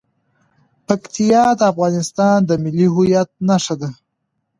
پکتیا د افغانستان د ملي هویت نښه ده.